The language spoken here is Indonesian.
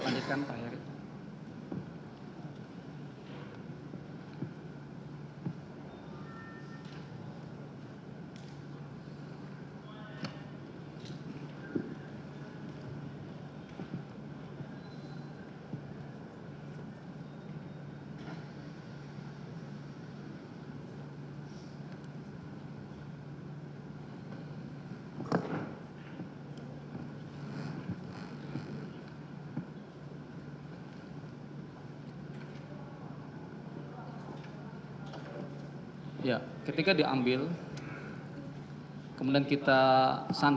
nanti dibawa coba lanjutkan